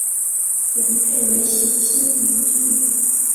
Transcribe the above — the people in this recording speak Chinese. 元配为冼兴云之女。